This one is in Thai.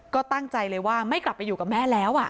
ก็ตั้งใจเลยว่าไม่กลับไปอยู่กับแม่แล้ว